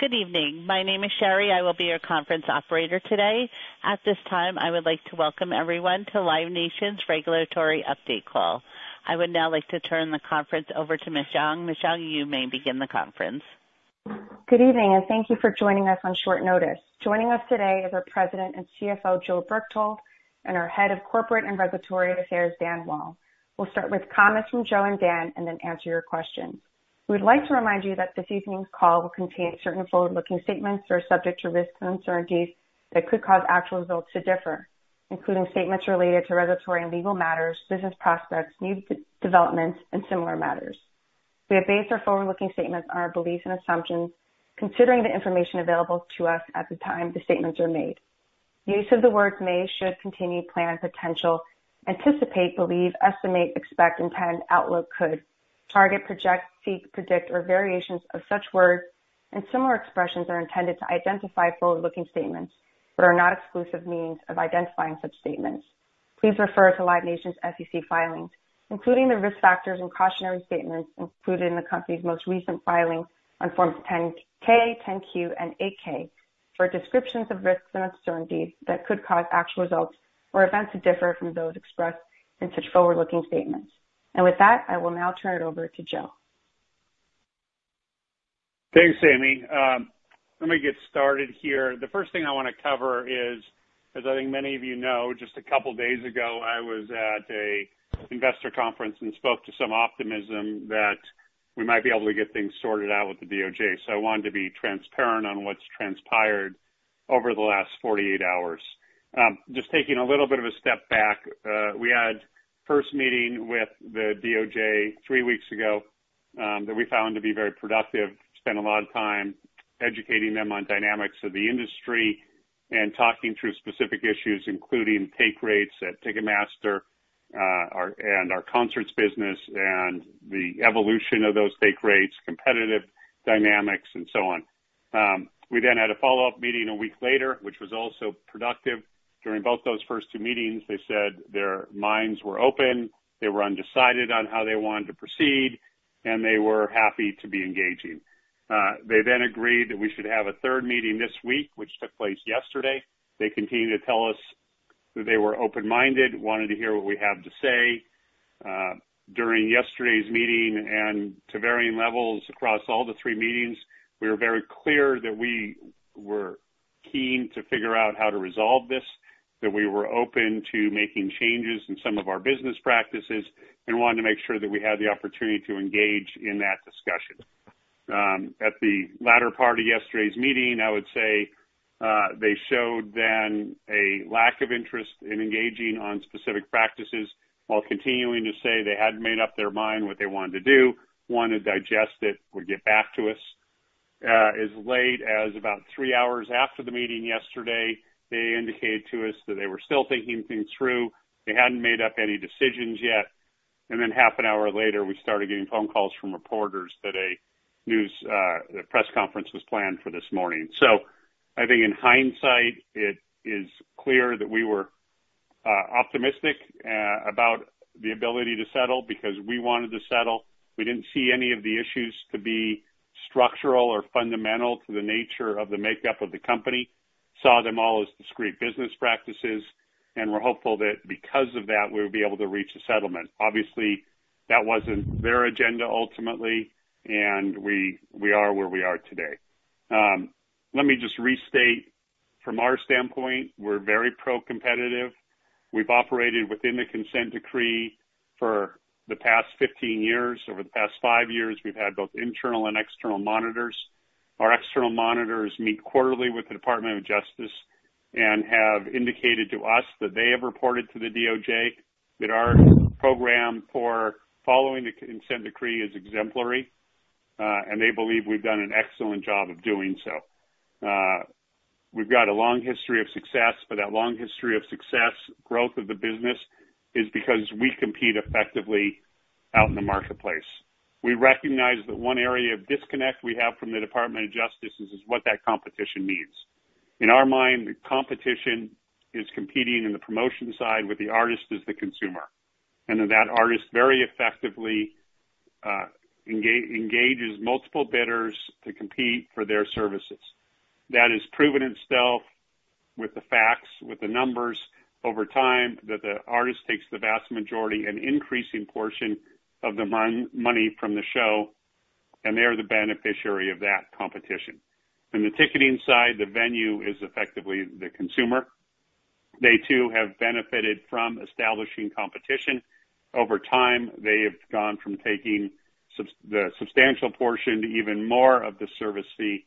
Good evening. My name is Sherry. I will be your conference operator today. At this time, I would like to welcome everyone to Live Nation's Regulatory Update Call. I would now like to turn the conference over to Ms. Yong. Ms. Yong, you may begin the conference. Good evening, and thank you for joining us on short notice. Joining us today is our President and CFO, Joe Berchtold, and our Head of Corporate and Regulatory Affairs, Dan Wall. We'll start with comments from Joe and Dan, and then answer your questions. We'd like to remind you that this evening's call will contain certain forward-looking statements that are subject to risks and uncertainties that could cause actual results to differ, including statements related to regulatory and legal matters, business prospects, new developments, and similar matters. We have based our forward-looking statements on our beliefs and assumptions, considering the information available to us at the time the statements are made. Use of the words may, should, continue, plan, potential, anticipate, believe, estimate, expect, intend, outlook, could, target, project, seek, predict, or variations of such words and similar expressions are intended to identify forward-looking statements, but are not exclusive means of identifying such statements. Please refer to Live Nation's SEC filings, including the risk factors and cautionary statements included in the company's most recent filings on Forms 10-K, 10-Q, and 8-K, for descriptions of risks and uncertainties that could cause actual results or events to differ from those expressed in such forward-looking statements. With that, I will now turn it over to Joe. Thanks, Amy. Let me get started here. The first thing I wanna cover is, as I think many of you know, just a couple of days ago, I was at an investor conference and spoke to some optimism that we might be able to get things sorted out with the DOJ. So I wanted to be transparent on what's transpired over the last 48 hours. Just taking a little bit of a step back, we had first meeting with the DOJ three weeks ago, that we found to be very productive. Spent a lot of time educating them on dynamics of the industry and talking through specific issues, including take rates at Ticketmaster, our and our concerts business, and the evolution of those take rates, competitive dynamics, and so on. We then had a follow-up meeting a week later, which was also productive. During both those first two meetings, they said their minds were open, they were undecided on how they wanted to proceed, and they were happy to be engaging. They then agreed that we should have a third meeting this week, which took place yesterday. They continued to tell us that they were open-minded, wanted to hear what we have to say. During yesterday's meeting, and to varying levels across all three meetings, we were very clear that we were keen to figure out how to resolve this, that we were open to making changes in some of our business practices, and wanted to make sure that we had the opportunity to engage in that discussion. At the latter part of yesterday's meeting, I would say, they showed then a lack of interest in engaging on specific practices while continuing to say they hadn't made up their mind what they wanted to do, want to digest it, would get back to us. As late as about three hours after the meeting yesterday, they indicated to us that they were still thinking things through. They hadn't made up any decisions yet, and then half an hour later, we started getting phone calls from reporters that a news, a press conference was planned for this morning. So I think in hindsight, it is clear that we were optimistic about the ability to settle because we wanted to settle. We didn't see any of the issues to be structural or fundamental to the nature of the makeup of the company; we saw them all as discrete business practices, and we're hopeful that because of that, we would be able to reach a settlement. Obviously, that wasn't their agenda ultimately, and we are where we are today. Let me just restate, from our standpoint, we're very pro-competitive. We've operated within the consent decree for the past 15 years. Over the past five years, we've had both internal and external monitors. Our external monitors meet quarterly with the Department of Justice and have indicated to us that they have reported to the DOJ that our program for following the consent decree is exemplary, and they believe we've done an excellent job of doing so. We've got a long history of success, but that long history of success, growth of the business, is because we compete effectively out in the marketplace. We recognize that one area of disconnect we have from the Department of Justice is what that competition means. In our mind, the competition is competing in the promotion side with the artist as the consumer, and that artist very effectively engages multiple bidders to compete for their services. That has proven itself with the facts, with the numbers over time, that the artist takes the vast majority and increasing portion of the money from the show, and they are the beneficiary of that competition. In the ticketing side, the venue is effectively the consumer. They, too, have benefited from establishing competition. Over time, they have gone from taking the substantial portion to even more of the service fee,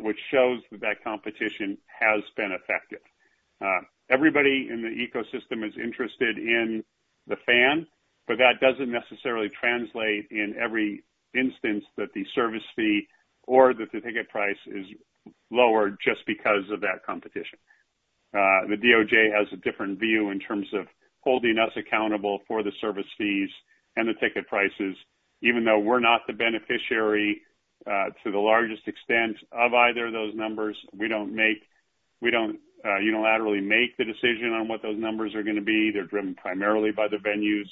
which shows that that competition has been effective. Everybody in the ecosystem is interested in the fan, but that doesn't necessarily translate in every instance that the service fee or that the ticket price is lowered just because of that competition. The DOJ has a different view in terms of holding us accountable for the service fees and the ticket prices, even though we're not the beneficiary to the largest extent of either of those numbers. We don't unilaterally make the decision on what those numbers are gonna be. They're driven primarily by the venues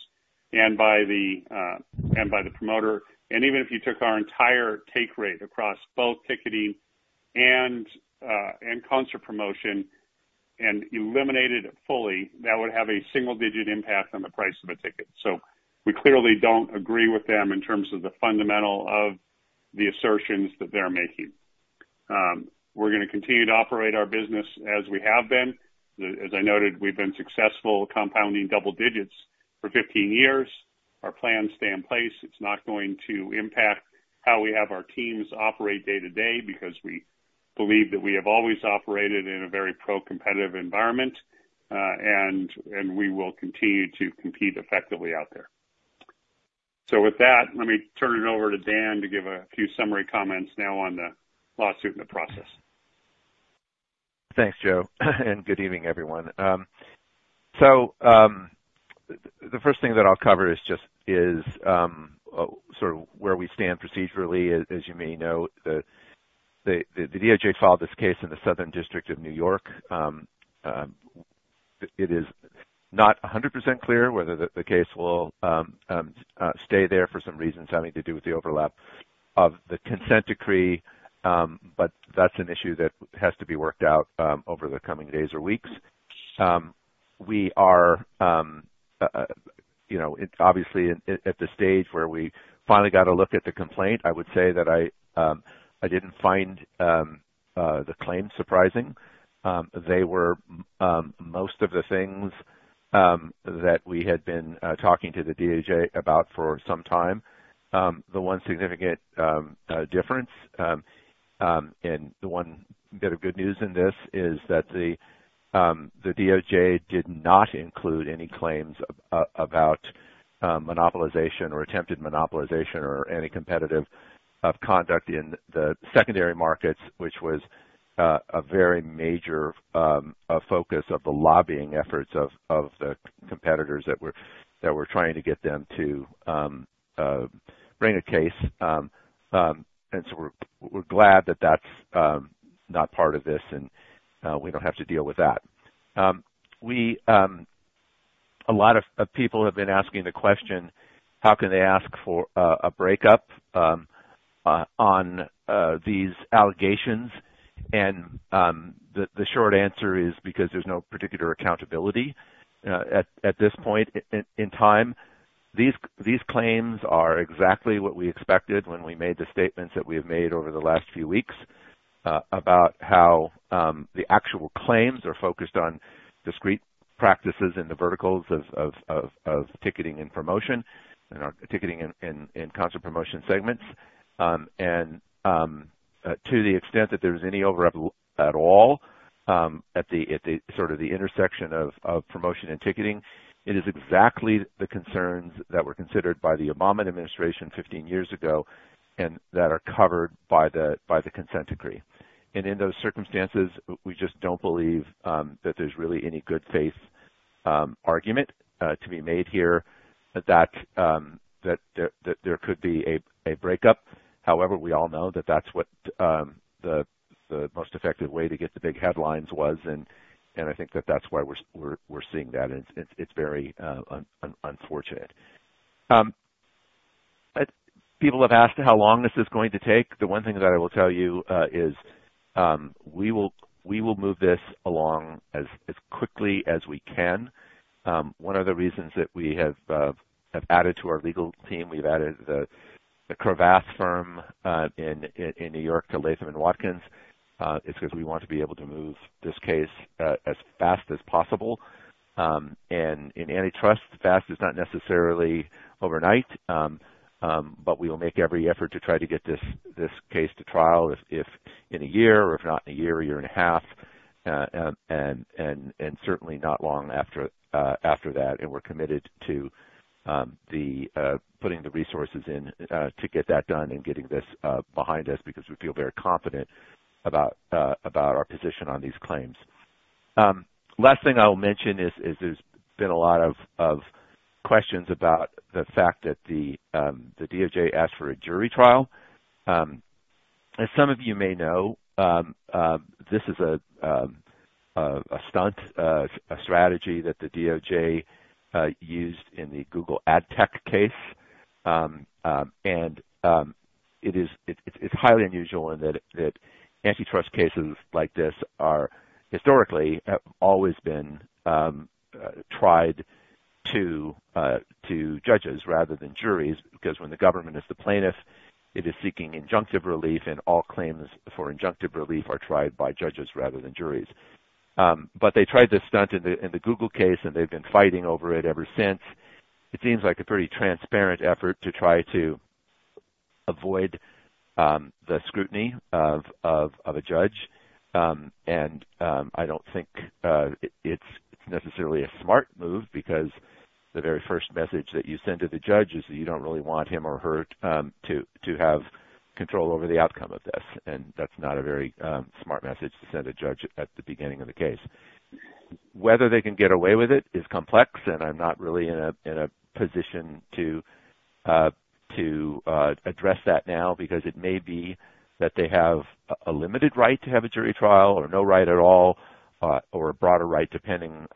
and by the promoter. And even if you took our entire take rate across both ticketing and concert promotion and eliminated it fully, that would have a single-digit impact on the price of a ticket. So we clearly don't agree with them in terms of the fundamental of the assertions that they're making. We're gonna continue to operate our business as we have been. As I noted, we've been successful compounding double digits for 15 years. Our plans stay in place. It's not going to impact how we have our teams operate day-to-day, because we believe that we have always operated in a very pro-competitive environment, and we will continue to compete effectively out there. So with that, let me turn it over to Dan to give a few summary comments now on the lawsuit and the process. Thanks, Joe, and good evening, everyone. So, the first thing that I'll cover is just sort of where we stand procedurally. As you may know, the DOJ filed this case in the Southern District of New York. It is not 100% clear whether the case will stay there for some reasons having to do with the overlap of the consent decree, but that's an issue that has to be worked out over the coming days or weeks. We are, you know, obviously at the stage where we finally got a look at the complaint. I would say that I didn't find the claim surprising. They were most of the things that we had been talking to the DOJ about for some time. The one significant difference and the one bit of good news in this is that the DOJ did not include any claims about monopolization or attempted monopolization or any competitive conduct in the secondary markets, which was a very major focus of the lobbying efforts of the competitors that were trying to get them to bring a case. And so we're glad that that's not part of this, and we don't have to deal with that. A lot of people have been asking the question: How can they ask for a breakup on these allegations? The short answer is because there's no particular accountability at this point in time. These claims are exactly what we expected when we made the statements that we have made over the last few weeks about how the actual claims are focused on discrete practices in the verticals of ticketing and promotion and our ticketing and concert promotion segments. To the extent that there's any overlap at all, at the sort of intersection of promotion and ticketing, it is exactly the concerns that were considered by the Obama administration 15 years ago and that are covered by the consent decree. In those circumstances, we just don't believe that there's really any good faith argument to be made here that there could be a breakup. However, we all know that that's what the most effective way to get the big headlines was, and I think that that's why we're seeing that, and it's very unfortunate. People have asked how long this is going to take. The one thing that I will tell you is we will move this along as quickly as we can. One of the reasons that we have added to our legal team, we've added the Cravath firm in New York to Latham & Watkins, is because we want to be able to move this case as fast as possible. And in antitrust, fast is not necessarily overnight, but we will make every effort to try to get this case to trial if in a year, or if not in a year, a year and a half, and certainly not long after that. And we're committed to putting the resources in to get that done and getting this behind us, because we feel very confident about our position on these claims. Last thing I will mention is, there's been a lot of questions about the fact that the DOJ asked for a jury trial. As some of you may know, this is a stunt, a strategy that the DOJ used in the Google Ad Tech case. And it is, it's highly unusual in that antitrust cases like this are historically always been tried to judges rather than juries, because when the government is the plaintiff, it is seeking injunctive relief, and all claims for injunctive relief are tried by judges rather than juries. But they tried this stunt in the Google case, and they've been fighting over it ever since. It seems like a pretty transparent effort to try to avoid the scrutiny of a judge. And I don't think it's necessarily a smart move because the very first message that you send to the judge is that you don't really want him or her to have control over the outcome of this, and that's not a very smart message to send a judge at the beginning of the case. Whether they can get away with it is complex, and I'm not really in a position to address that now, because it may be that they have a limited right to have a jury trial or no right at all, or a broader right, depending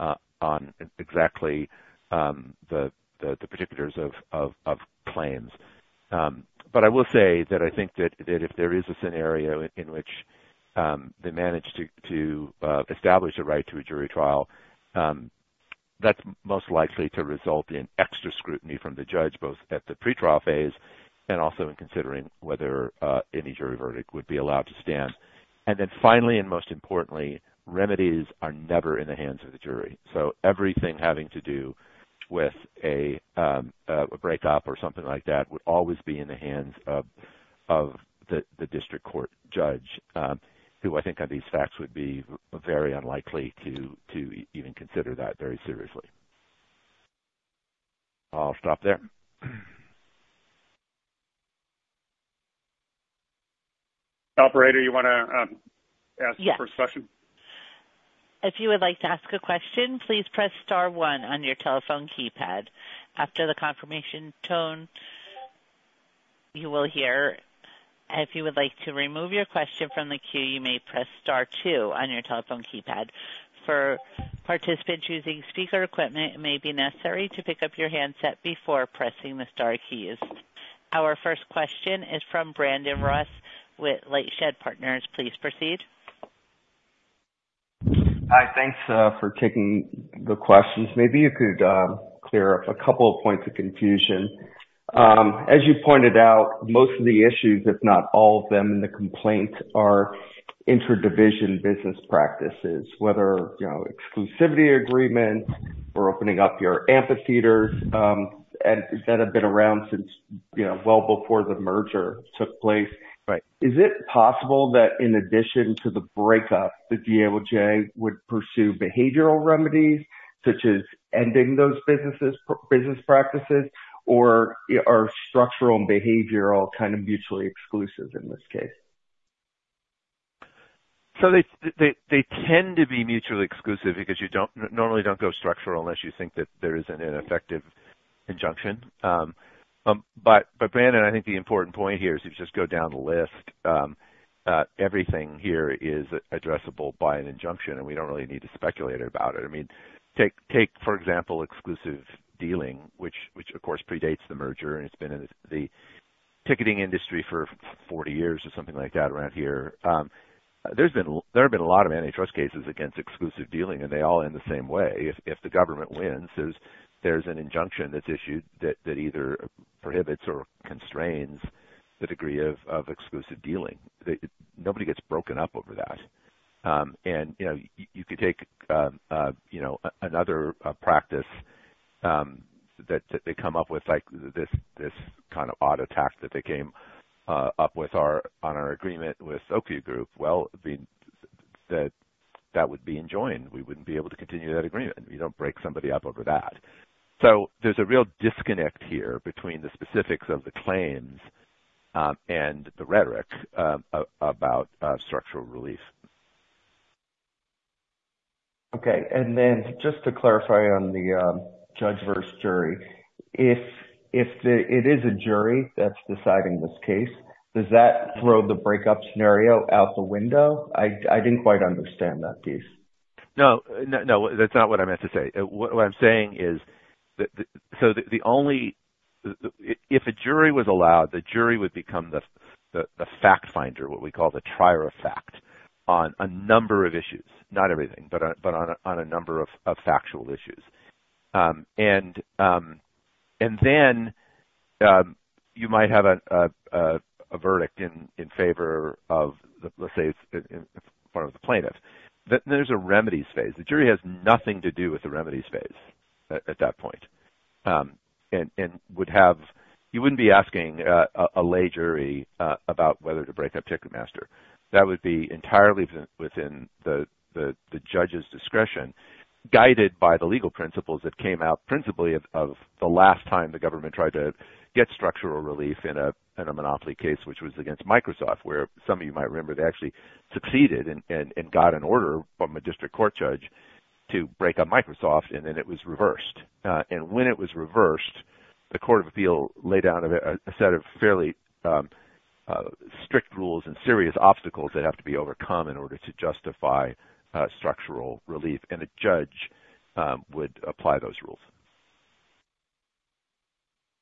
on exactly the particulars of claims. But I will say that I think that if there is a scenario in which they manage to establish a right to a jury trial, that's most likely to result in extra scrutiny from the judge, both at the pretrial phase and also in considering whether any jury verdict would be allowed to stand. And then finally, and most importantly, remedies are never in the hands of the jury. So everything having to do with a breakup or something like that would always be in the hands of the district court judge, who I think on these facts would be very unlikely to even consider that very seriously. I'll stop there. Operator, you wanna ask the first question? Yes. If you would like to ask a question, please press star one on your telephone keypad. After the confirmation tone, you will hear. If you would like to remove your question from the queue, you may press star two on your telephone keypad. For participants using speaker equipment, it may be necessary to pick up your handset before pressing the star keys. Our first question is from Brandon Ross with LightShed Partners. Please proceed. Hi. Thanks, for taking the questions. Maybe you could clear up a couple of points of confusion. As you pointed out, most of the issues, if not all of them, in the complaint, are interdivision business practices, whether you know, exclusivity agreements or opening up your amphitheaters, and that have been around since, you know, well before the merger took place. Right. Is it possible that in addition to the breakup, the DOJ would pursue behavioral remedies, such as ending those businesses, business practices, or are structural and behavioral kind of mutually exclusive in this case? So they tend to be mutually exclusive because you normally don't go structural unless you think that there isn't an effective injunction. But Brandon, I think the important point here is, if you just go down the list, everything here is addressable by an injunction, and we don't really need to speculate about it. I mean, take, for example, exclusive dealing, which of course predates the merger, and it's been in the ticketing industry for 40 years or something like that around here. There have been a lot of antitrust cases against exclusive dealing, and they all end the same way. If the government wins, there's an injunction that's issued that either prohibits or constrains the degree of exclusive dealing. Nobody gets broken up over that. And, you know, you could take, you know, another practice that they come up with, like this kind of odd attack that they came up with on our agreement with AEG. Well, that would be enjoined. We wouldn't be able to continue that agreement. You don't break somebody up over that. So there's a real disconnect here between the specifics of the claims and the rhetoric about structural relief. Okay, and then just to clarify on the judge versus jury, if it is a jury that's deciding this case, does that throw the breakup scenario out the window? I didn't quite understand that piece. No. No, that's not what I meant to say. What I'm saying is, so the only. If a jury was allowed, the jury would become the fact finder, what we call the trier of fact on a number of issues, not everything, but on a number of factual issues. And then you might have a verdict in favor of, let's say it's in favor of the plaintiff. Then there's a remedies phase. The jury has nothing to do with the remedies phase at that point. And would have. You wouldn't be asking a lay jury about whether to break up Ticketmaster. That would be entirely within the judge's discretion, guided by the legal principles that came out, principally of the last time the government tried to get structural relief in a monopoly case, which was against Microsoft, where some of you might remember, they actually succeeded and got an order from a district court judge to break up Microsoft, and then it was reversed. And when it was reversed, the Court of Appeals laid down a set of fairly strict rules and serious obstacles that have to be overcome in order to justify structural relief, and a judge would apply those rules.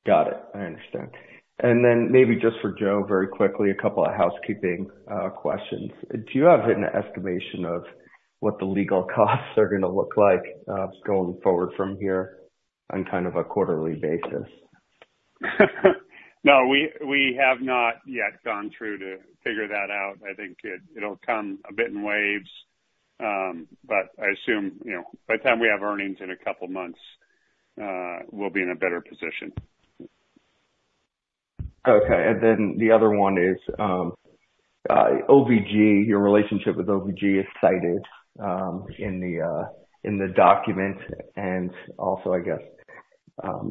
Got it. I understand. And then maybe just for Joe, very quickly, a couple of housekeeping questions. Do you have an estimation of what the legal costs are gonna look like going forward from here on kind of a quarterly basis? No, we have not yet gone through to figure that out. I think it'll come a bit in waves. But I assume, you know, by the time we have earnings in a couple of months, we'll be in a better position. Okay, and then the other one is OVG. Your relationship with OVG is cited in the document, and also, I guess,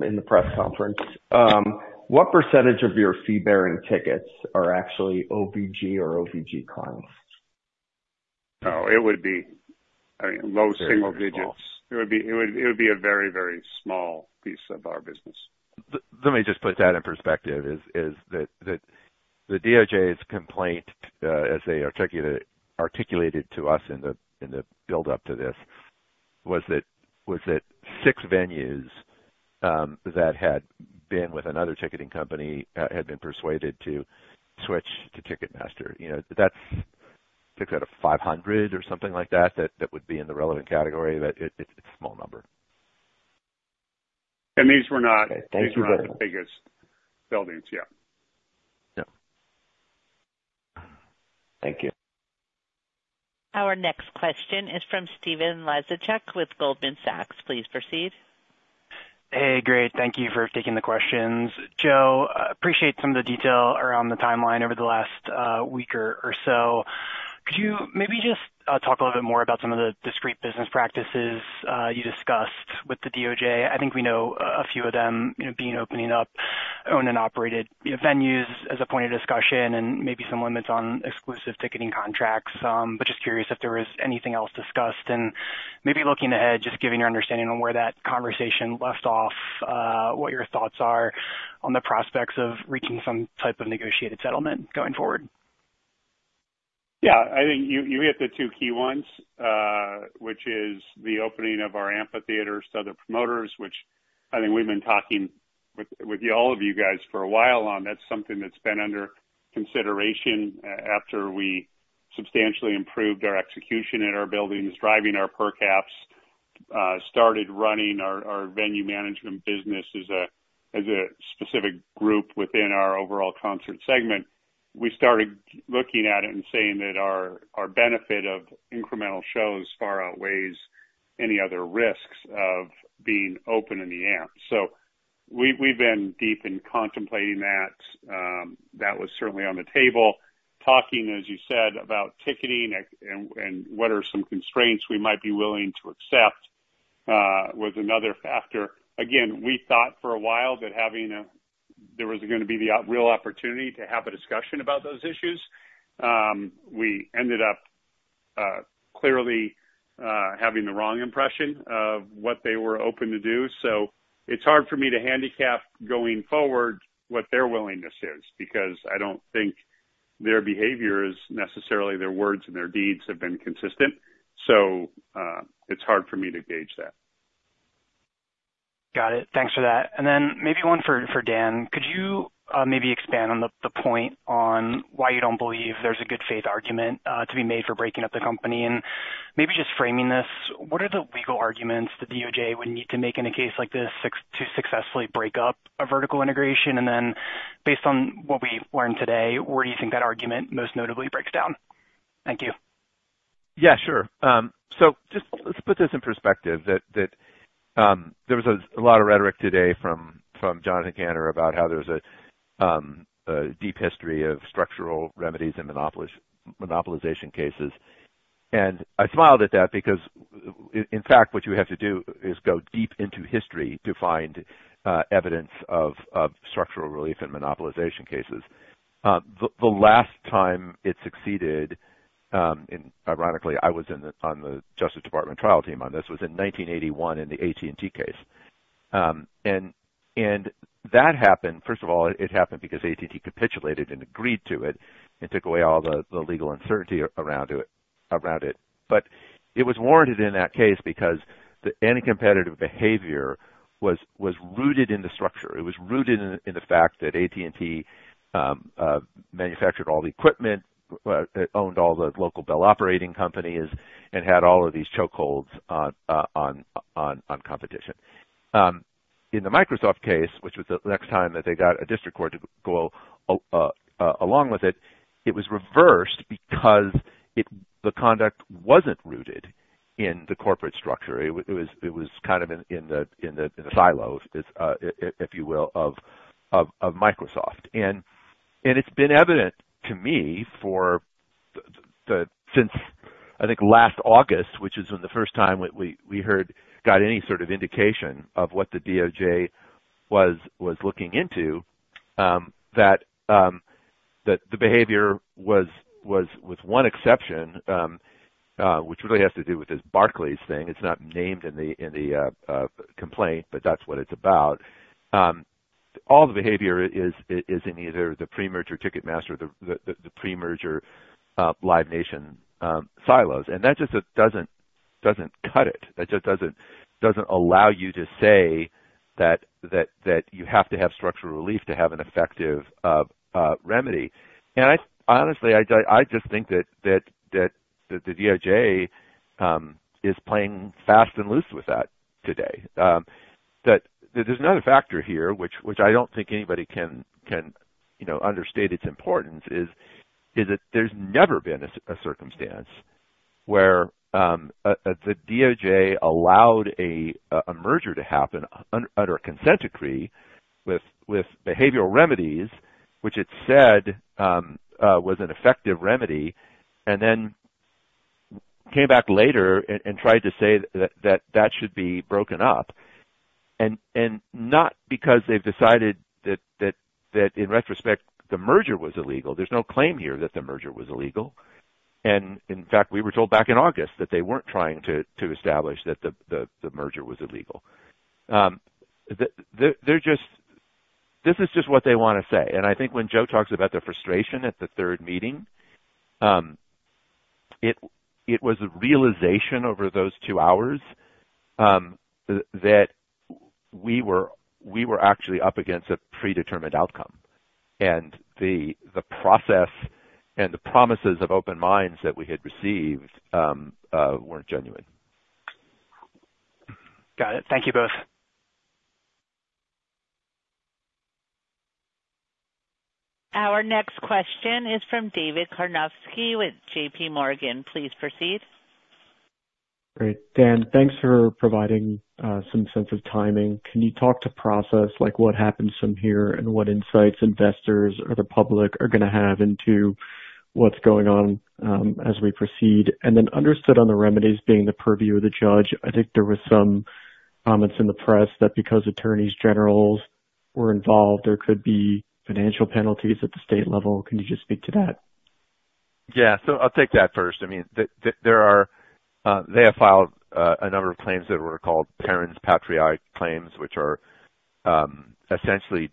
in the press conference. What percentage of your fee-bearing tickets are actually OVG or OVG clients? Oh, it would be, I mean, low single-digits. It would be, it would be a very, very small piece of our business. Let me just put that in perspective. Is that the DOJ's complaint, as they articulated to us in the build-up to this, was that six venues that had been with another ticketing company had been persuaded to switch to Ticketmaster? You know, that's tickets out of 500 or something like that that would be in the relevant category. That it's a small number. And these were not- Okay. Thank you. The biggest buildings. Yeah. Yeah. Thank you. Our next question is from Stephen Laszczyk with Goldman Sachs. Please proceed. Hey, great. Thank you for taking the questions. Joe, I appreciate some of the details around the timeline over the last week or so. Could you maybe just talk a little bit more about some of the discrete business practices you discussed with the DOJ? I think we know a few of them, you know, being opening up owned and operated, you know, venues as a point of discussion, and maybe some limits on exclusive ticketing contracts. But just curious if there was anything else discussed. Maybe looking ahead, just giving your understanding on where that conversation left off, what your thoughts are on the prospects of reaching some type of negotiated settlement going forward. Yeah, I think you hit the two key ones, which is the opening of our amphitheaters to other promoters, which I think we've been talking with you, all of you guys, for a while on. That's something that's been under consideration after we substantially improved our execution at our buildings, driving our per caps, and started running our venue management business as a specific group within our overall concert segment. We started looking at it and saying that our benefit of incremental shows far outweighs any other risks of being open in the amp. So we've been deep in contemplating that. That was certainly on the table. Talking, as you said, about ticketing and what are some constraints we might be willing to accept was another factor. Again, we thought for a while that having a... There was gonna be a real opportunity to have a discussion about those issues. We ended up clearly having the wrong impression of what they were open to do. So it's hard for me to handicap going forward what their willingness is, because I don't think their behavior is necessarily their words and their deeds have been consistent. So, it's hard for me to gauge that. Got it. Thanks for that. And then maybe one for Dan. Could you maybe expand on the point on why you don't believe there's a good faith argument to be made for breaking up the company? And maybe just framing this, what are the legal arguments the DOJ would need to make in a case like this, to successfully break up a vertical integration? And then, based on what we've learned today, where do you think that argument most notably breaks down? Thank you. Yeah, sure. So just let's put this in perspective, that there was a lot of rhetoric today from Jonathan Kanter about how there's a deep history of structural remedies and monopolization cases. And I smiled at that because in fact, what you have to do is go deep into history to find evidence of structural relief and monopolization cases. The last time it succeeded, and ironically, I was on the Justice Department trial team on this, was in 1981 in the AT&T case. And that happened, first of all, it happened because AT&T capitulated and agreed to it and took away all the legal uncertainty around it. But it was warranted in that case because the anticompetitive behavior was rooted in the structure. It was rooted in the fact that AT&T manufactured all the equipment, it owned all the local Bell operating companies and had all of these chokeholds on competition. In the Microsoft case, which was the next time that they got a district court to go along with it, it was reversed because the conduct wasn't rooted in the corporate structure. It was kind of in the silos, if you will, of Microsoft. It's been evident to me since, I think, last August, which is when the first time we got any sort of indication of what the DOJ was looking into, that the behavior was, with one exception, which really has to do with this Barclays thing. It's not named in the complaint, but that's what it's about. All the behavior is in either the pre-merger Ticketmaster or the pre-merger Live Nation silos. And that just doesn't cut it. That just doesn't allow you to say that you have to have structural relief to have an effective remedy. And I honestly, I just think that the DOJ is playing fast and loose with that today. That there's another factor here, which I don't think anybody can, you know, understate its importance, is that there's never been a circumstance where the DOJ allowed a merger to happen under a consent decree with behavioral remedies, which it said was an effective remedy, and then came back later and tried to say that that should be broken up, and not because they've decided that in retrospect, the merger was illegal. There's no claim here that the merger was illegal. And in fact, we were told back in August that they weren't trying to establish that the merger was illegal. They're just—this is just what they wanna say. I think when Joe talks about the frustration at the third meeting, it was a realization over those two hours that we were actually up against a predetermined outcome. The process and the promises of open minds that we had received weren't genuine. Got it. Thank you both. Our next question is from David Karnovsky with JPMorgan. Please proceed. Great. Dan, thanks for providing some sense of timing. Can you talk to process, like what happens from here, and what insights investors or the public are gonna have into what's going on, as we proceed? And then, understood on the remedies being the purview of the judge, I think there were some comments in the press that because attorneys general were involved, there could be financial penalties at the state level. Can you just speak to that? Yeah. So I'll take that first. I mean, the, there are. They have filed a number of claims that were called parens patriae claims, which are essentially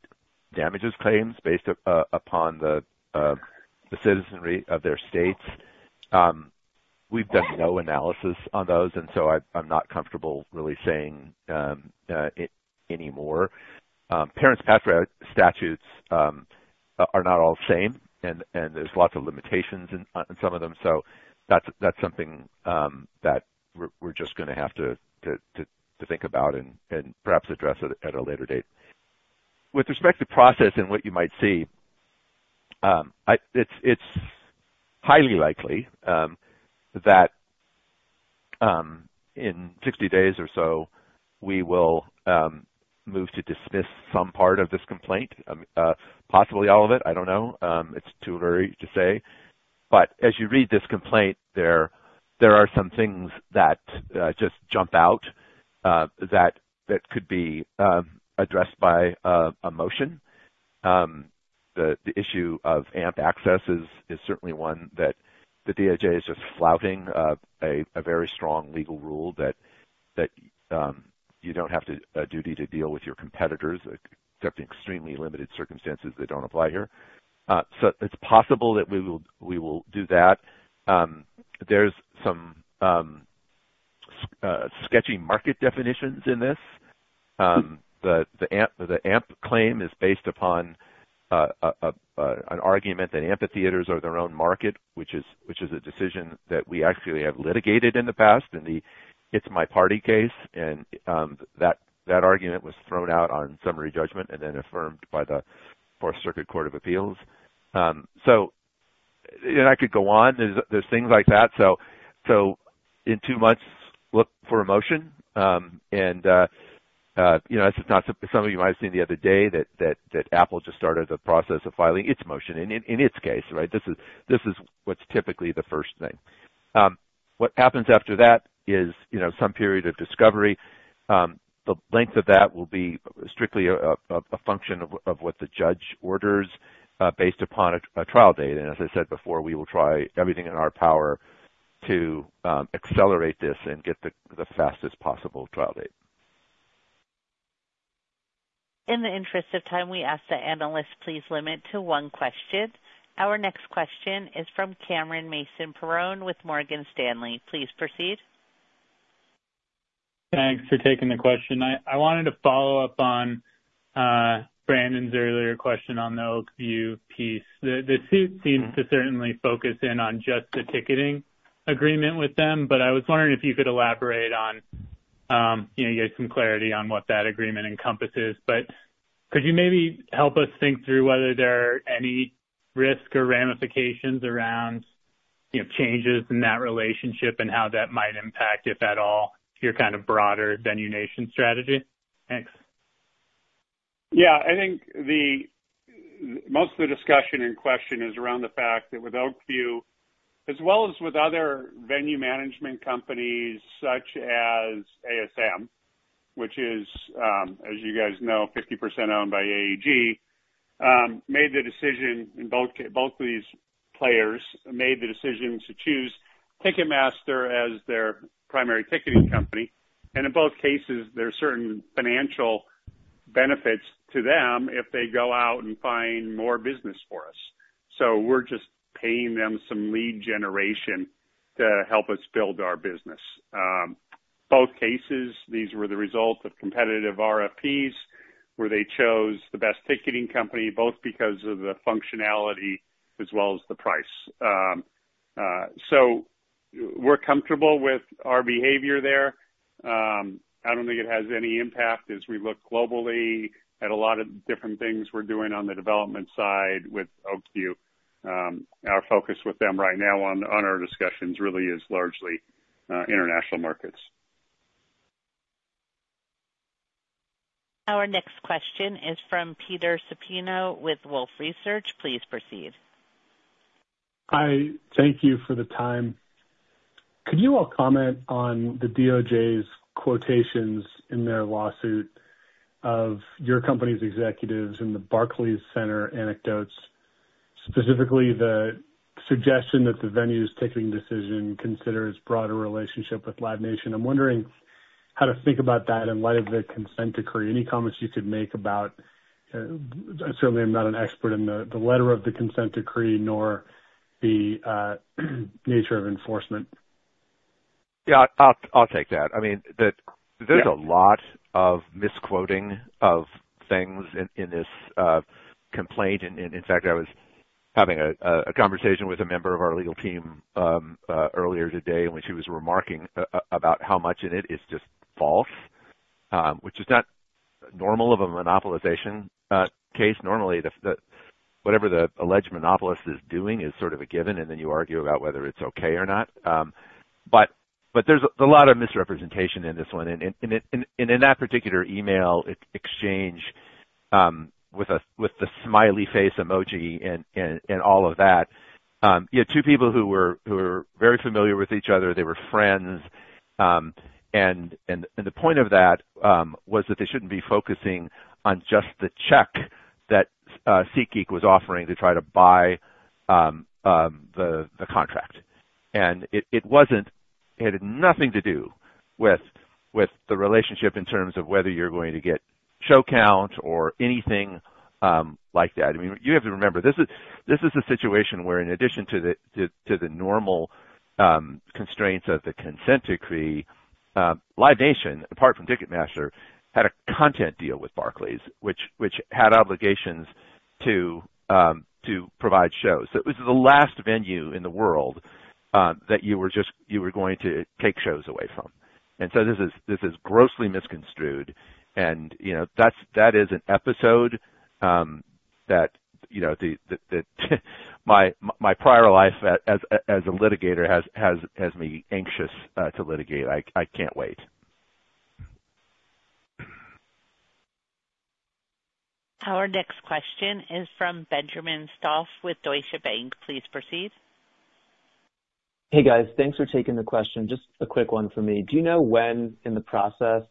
damages claims based upon the citizenry of their states. We've done no analysis on those, and so I'm not comfortable really saying any more. Parens patriae statutes are not all the same, and there are lots of limitations in some of them, so that's something that we're just gonna have to think about and perhaps address at a later date. With respect to process and what you might see, it's highly likely that in 60 days or so, we will move to dismiss some part of this complaint, possibly all of it, I don't know; it's too early to say. But as you read this complaint, there are some things that just jump out that could be addressed by a motion. The issue of Amp access is certainly one that the DOJ is just flouting a very strong legal rule that you don't have a duty to deal with your competitors, except in extremely limited circumstances that don't apply here. So it's possible that we will do that. There's some sketchy market definitions in this. The Amp claim is based upon an argument that amphitheaters are their own market, which is a decision that we actually have litigated in the past, in the It's My Party case, and that argument was thrown out on summary judgment and then affirmed by the U.S. Court of Appeals for the Fourth Circuit. So, I could go on. There's things like that. In two months, look for a motion. You know, this is not. Some of you might have seen the other day that Apple just started the process of filing its motion in its case, right? This is what's typically the first thing. What happens after that is, you know, some period of discovery. The length of that will be strictly a function of what the judge orders, based upon a trial date. As I said before, we will try everything in our power to accelerate this and get the fastest possible trial date. In the interest of time, we ask that analysts please limit to one question. Our next question is from Cameron Mansson-Perrone with Morgan Stanley. Please proceed. Thanks for taking the question. I wanted to follow up on Brandon's earlier question on the Oak View piece. The suit seems to certainly focus in on just the ticketing agreement with them, but I was wondering if you could elaborate on, you know, you had some clarity on what that agreement encompasses. But could you maybe help us think through whether there are any risk or ramifications around, you know, changes in that relationship and how that might impact, if at all, your kind of broader Venue Nation strategy? Thanks. Yeah, I think the most of the discussion in question is around the fact that with Oak View, as well as with other venue management companies such as ASM, which is, as you guys know, 50% owned by AEG, made the decision and both, both of these players made the decision to choose Ticketmaster as their primary ticketing company. And in both cases, there are certain financial benefits to them if they go out and find more business for us. So we're just paying them some lead generation to help us build our business. Both cases, these were the result of competitive RFPs, where they chose the best ticketing company, both because of the functionality as well as the price. So we're comfortable with our behavior there. I don't think it has any impact as we look globally at a lot of different things we're doing on the development side with Oak View. Our focus with them right now on our discussions really is largely international markets. Our next question is from Peter Supino with Wolfe Research. Please proceed. Hi, thank you for the time. Could you all comment on the DOJ's quotations in their lawsuit of your company's executives and the Barclays Center anecdotes, specifically the suggestion that the venue's ticketing decision considers broader relationship with Live Nation? I'm wondering how to think about that in light of the consent decree. Any comments you could make about? I certainly am not an expert in the letter of the consent decree, nor the nature of enforcement. Yeah, I'll take that. I mean, the- Yeah. There's a lot of misquoting of things in this complaint. And in fact, I was having a conversation with a member of our legal team earlier today in which he was remarking about how much of it is just false, which is not normal of a monopolization case. Normally, whatever the alleged monopolist is doing is sort of a given, and then you argue about whether it's okay or not. But there's a lot of misrepresentation in this one. And in that particular email exchange with the smiley face emoji and all of that, you had two people who were very familiar with each other. They were friends. And the point of that was that they shouldn't be focusing on just the check that SeatGeek was offering to try to buy the contract. And it wasn't. It had nothing to do with the relationship in terms of whether you're going to get show count or anything like that. I mean, you have to remember, this is a situation where in addition to the normal constraints of the consent decree, Live Nation, apart from Ticketmaster, had a content deal with Barclays, which had obligations to provide shows. So it was the last venue in the world that you were just going to take shows away from. And so this is grossly misconstrued and, you know, that is an episode that, you know, my prior life as a litigator has me anxious to litigate. I can't wait. Our next question is from Benjamin Soff with Deutsche Bank. Please proceed. Hey, guys. Thanks for taking the question. Just a quick one for me. Do you know when in the process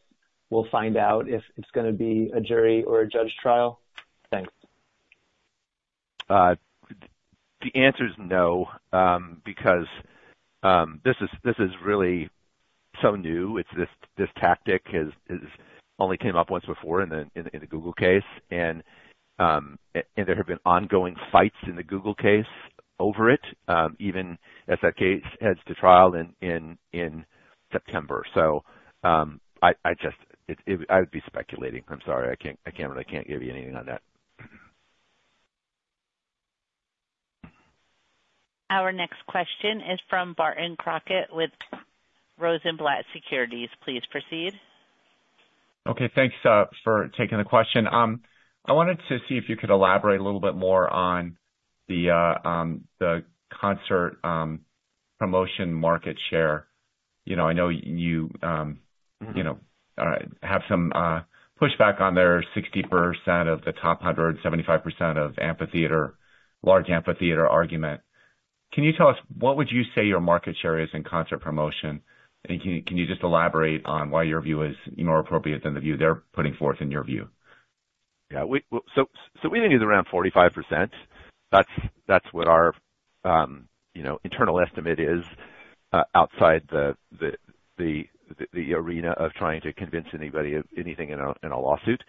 we'll find out if it's gonna be a jury or a judge trial? Thanks. The answer is no, because this is really so new. It's this tactic has only came up once before in the Google case. And there have been ongoing fights in the Google case over it, even as that case heads to trial in September. So, I just. I would be speculating. I'm sorry, I can't really give you anything on that. Our next question is from Barton Crockett with Rosenblatt Securities. Please proceed. Okay, thanks for taking the question. I wanted to see if you could elaborate a little bit more on the concert promotion market share. You know, I know you, you know, have some pushback on there, 60% of the top 100, 75% of amphitheater, large amphitheater argument. Can you tell us, what would you say your market share is in concert promotion? And can you, can you just elaborate on why your view is more appropriate than the view they're putting forth, in your view? Yeah, well, so we think it's around 45%. That's what our, you know, internal estimate is, outside the arena of trying to convince anybody of anything in a lawsuit.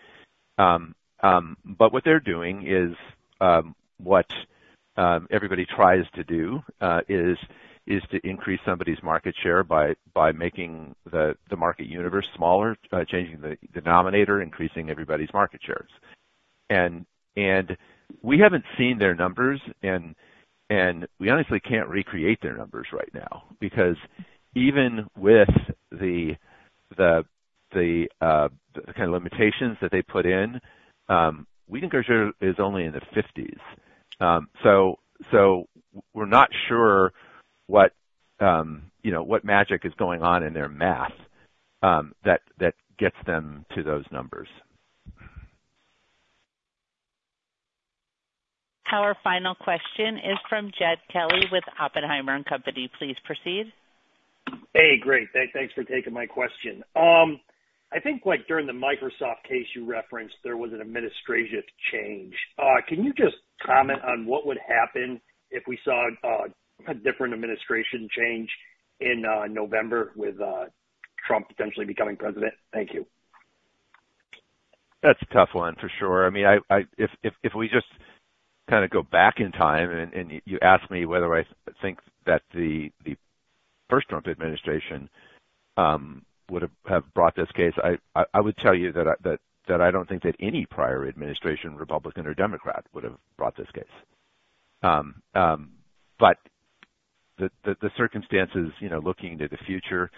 But what they're doing is what everybody tries to do is to increase somebody's market share by making the market universe smaller, by changing the denominator, increasing everybody's market shares. And we haven't seen their numbers, and we honestly can't recreate their numbers right now, because even with the kind of limitations that they put in, we think our share is only in the 50s. So we're not sure what, you know, what magic is going on in their math, that gets them to those numbers. Our final question is from Jed Kelly with Oppenheimer & Co. Please proceed. Hey, great. Thanks for taking my question. I think like during the Microsoft case you referenced, there was an administrative change. Can you just comment on what would happen if we saw a different administration change in November, with Trump potentially becoming President? Thank you. That's a tough one for sure. I mean, if we just kinda go back in time and you ask me whether I think that the first Trump administration would have brought this case, I would tell you that I don't think that any prior administration, Republican or Democrat, would have brought this case. But the circumstances, you know, looking to the future,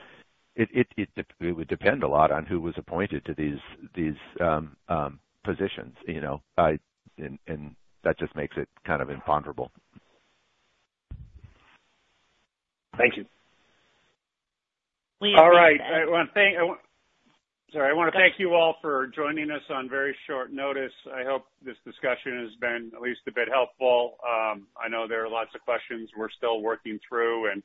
it would depend a lot on who was appointed to these positions, you know, I. And that just makes it kind of imponderable. Thank you. We- All right. I want to thank you all for joining us on very short notice. I hope this discussion has been at least a bit helpful. I know there are lots of questions we're still working through, and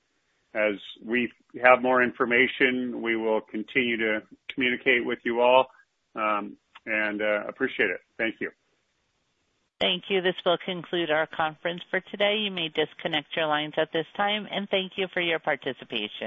as we have more information, we will continue to communicate with you all. And appreciate it. Thank you. Thank you. This will conclude our conference for today. You may disconnect your lines at this time. And thank you for your participation.